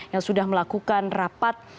yang sudah melakukan rapat